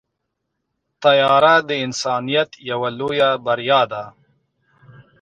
طیاره د انسانیت یوه لویه بریا ده.